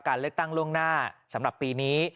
การเลือกตั้งล่วงหน้าสำหรับปีนี้